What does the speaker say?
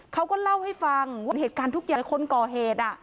เขาก็เล่าให้ฟังว่าเหตุการณ์ทุกอย่างคนก่อเหตุ